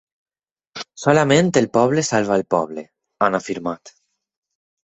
Solament el poble salva el poble, han afirmat.